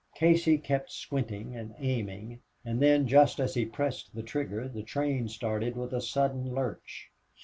Casey kept squinting and aiming, and then, just as he pressed the trigger, the train started with a sudden lurch.